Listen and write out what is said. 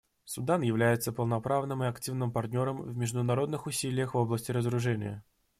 Судан является полноправным и активным партнером в международных усилиях в области разоружения.